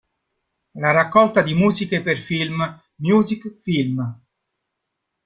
La raccolta di musiche per film "Music, Film.